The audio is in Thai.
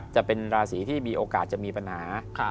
จะเป็นราศีที่มีโอกาสจะมีปัญหา